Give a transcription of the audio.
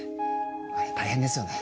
あれ大変ですよね。